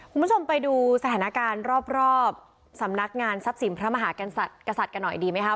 คุณผู้ชมไปดูสถานการณ์รอบสำนักงานทรัพย์สินพระมหากษัตริย์กันหน่อยดีไหมคะ